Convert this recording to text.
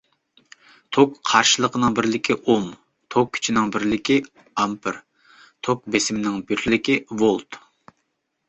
توك قارشىلىقىنىڭ بىرلىكى ئوم، توك كۈچىنىڭ بىرلىك ئامپېر، توك بېسىمنىڭ بىلىكى ۋولت.